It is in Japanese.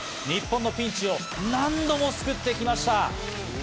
日本のピンチを何度も救ってきました。